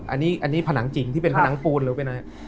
อันนี้ผนังจริงที่เป็นผนังปูนเร็วไปไหน